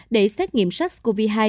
để xét nghiệm sars cov hai